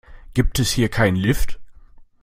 Gibt es hier keinen Lift?